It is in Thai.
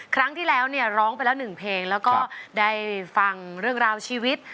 ครั้งที่แล้วเนี่ยร้องไปแล้วหนึ่งเพลงแล้วก็ได้ฟังเรื่องราวชีวิต